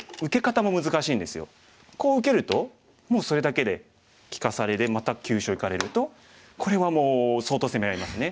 こう受けるともうそれだけで利かされでまた急所いかれるとこれはもう相当攻め合いますね。